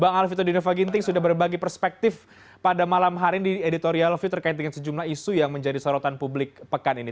bang alvito dinova ginting sudah berbagi perspektif pada malam hari ini di editorial view terkait dengan sejumlah isu yang menjadi sorotan publik pekan ini